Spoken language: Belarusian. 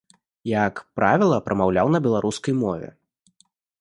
Як правіла, прамаўляў на беларускай мове.